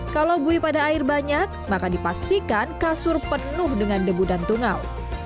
kalau bui pada air banyak maka dipastikan kasur penuh dengan debu dan tungau